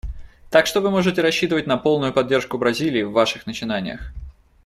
Так что вы можете рассчитывать на полную поддержку Бразилии в ваших начинаниях.